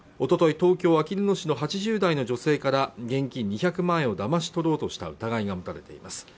東京あきる野市の８０代の女性から現金２００万円をだまし取ろうとした疑いが持たれています